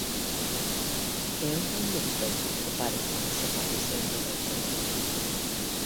E onde aumentou o paro no noso país en novembro?